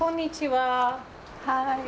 はい。